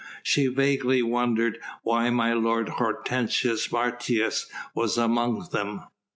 She vaguely wondered why my lord Hortensius Martius was among them.